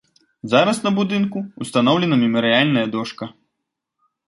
Зараз на будынку ўстаноўлена мемарыяльная дошка.